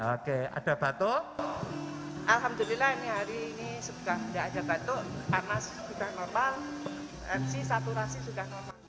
alhamdulillah hari ini sudah ada batuk karena sudah normal si saturasi sudah normal